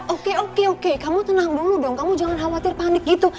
oke oke oke kamu tenang dulu dong kamu jangan khawatir panik gitu